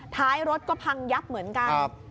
ท้ายรถก็พังยับเหมือนกัน